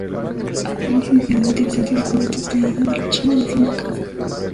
Análisis de un interesante documento extraído del Archivo de Simancas.